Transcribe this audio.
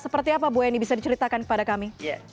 seperti apa bu eni bisa diceritakan kepada kami